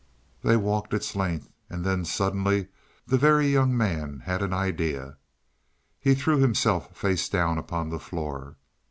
They walked its length, and then suddenly the Very Young Man had an idea. He threw himself face down upon the floor.